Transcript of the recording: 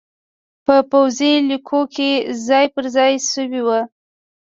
په پوځي لیکو کې ځای پرځای شوي وو